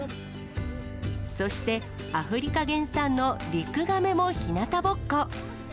そして、アフリカ原産のリクガメもひなたぼっこ。